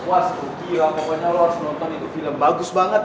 pokoknya lo harus nonton itu film bagus banget